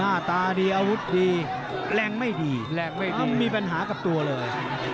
หน้าตาดีอาวุธดีแรงไม่ดีแรงไม่ดีมีปัญหากับตัวเลย